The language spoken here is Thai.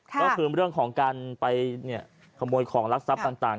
ก็คือเรื่องของการไปขโมยของรักทรัพย์ต่าง